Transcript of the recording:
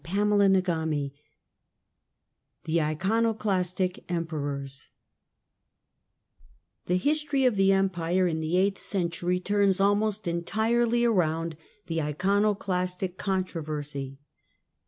CHAPTEE XIV THE ICONOCLASTIC EMPERORS HHHE history of the Empire in the eighth century The Empire turns almost entirely around the Iconoclastic con eighth troversy.